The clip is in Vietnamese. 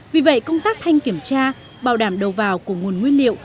vì vậy công tác thanh kiểm tra bảo đảm đầu vào của nguồn nguyên liệu